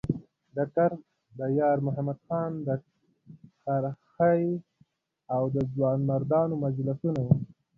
د کرز د یارمحمد خان خرخښې او د ځوانمردانو مجلسونه وو.